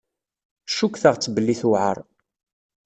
Ccukteɣ-tt belli tewɛer.